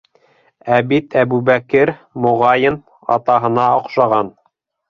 Ә бит Әбүбәкер, моғайын, атаһына оҡшаған.